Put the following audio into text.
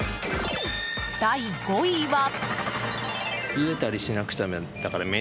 第５位は。